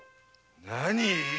何？